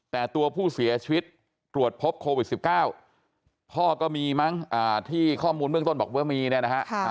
แต่ตัวผู้เสียชีวิตตรวจพบโควิด๑๙พ่อก็มีมั้งที่ข้อมูลเบื้องต้นบอกว่ามีเนี่ยนะฮะ